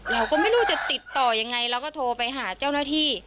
เราก็ไม่รู้จะติดต่อยังไงเราก็โทรไปหาเจ้าหน้าที่